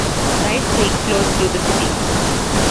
Rice Creek flows through the city.